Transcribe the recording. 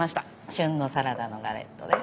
旬のサラダのガレットです。